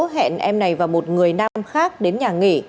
hẹn em này và một người nam khác đến nhà nghỉ